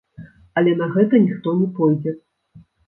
Але на гэта ніхто не пойдзе.